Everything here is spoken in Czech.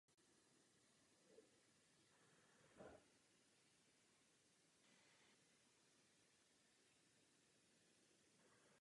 Typickým znakem pro tento řád je výrazně vzadu postavená hřbetní a řitní ploutev.